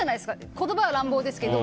言葉は乱暴ですけど。